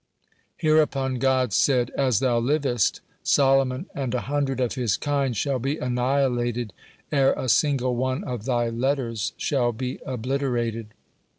Hereupon God said: "As thou livest, Solomon and a hundred of his kind shall be annihilated ere a single one of thy letters shall be obliterated."